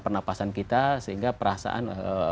pernafasan kita sehingga perasaan